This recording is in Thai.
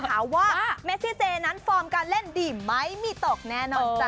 ข่าวว่าเมซี่เจ๊นั้นฟอร์มการเล่นดีมั้ยมีตกแน่นอนจ้า